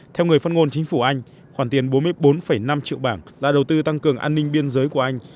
theo người phát ngôn chính phủ anh khoản tiền bốn mươi bốn năm triệu bảng là đầu tư tăng cường an ninh biên giới của anh